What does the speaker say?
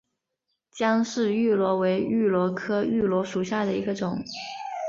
姜氏芋螺为芋螺科芋螺属下的一个种。